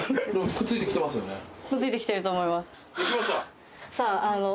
くっついてきてると思います